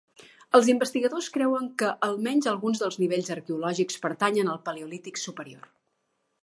Els investigadors creuen que almenys, alguns dels nivells arqueològics pertanyen al Paleolític Superior.